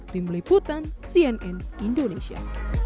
tim liputan cnn indonesia